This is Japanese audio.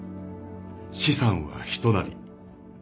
「資産は人なり」